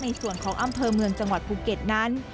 ในส่วนของอำเภอเมืองจังหวัดภูเก็ตนั้น